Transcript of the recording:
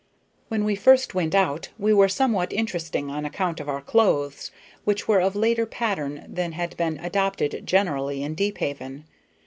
When we first went out we were somewhat interesting on account of our clothes, which were of later pattern than had been adopted generally in Deephaven.